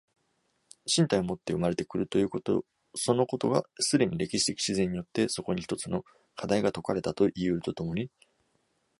身体をもって生まれて来るということそのことが、既に歴史的自然によってそこに一つの課題が解かれたといい得ると共に